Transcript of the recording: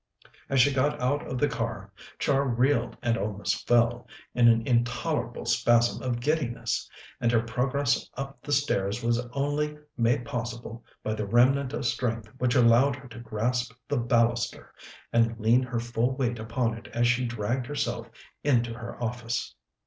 As she got out of the car, Char reeled and almost fell, in an intolerable spasm of giddiness, and her progress up the stairs was only made possible by the remnant of strength which allowed her to grasp the baluster and lean her full weight upon it as she dragged herself into her office.